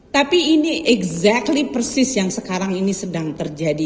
tapi ini exactly persis yang sekarang ini sedang terjadi